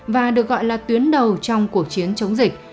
và được gọi là tuyến đầu trong cuộc chiến chống dịch